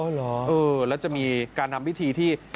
เหรอเออแล้วจะมีการทำพิธีที่